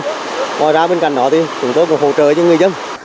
ngồi ra bên cạnh đó thì chúng tôi có hỗ trợ cho người dân